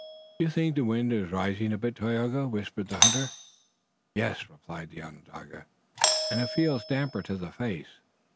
"Don't you think the wind is rising a bit, Tayoga?" whispered the hunter. "Yes," replied the Onondaga. "And it feels damper to the face?"